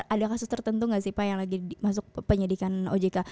ada kasus tertentu nggak sih pak yang lagi masuk penyidikan ojk